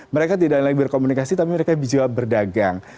mereka tidak lagi berkomunikasi tapi mereka juga berdagang